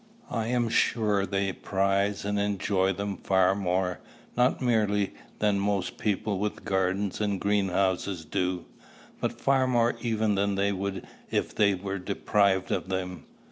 I am sure they prize and enjoy them far more, not merely than most people with gardens and greenhouses do, but far more even than they would if they were deprived of them.